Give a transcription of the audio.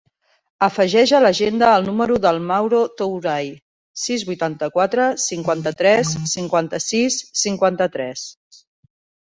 Afegeix a l'agenda el número del Mauro Touray: sis, vuitanta-quatre, cinquanta-tres, cinquanta-sis, cinquanta-tres.